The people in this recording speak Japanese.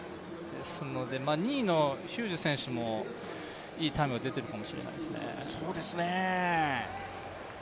２位のヒューズ選手もいいタイムが出てるかもしれないですね。